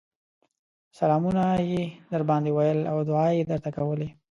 سلامونه يې درباندې ويل او دعاوې يې درته کولې